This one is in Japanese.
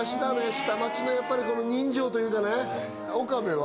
下町のやっぱり人情というかね岡部は？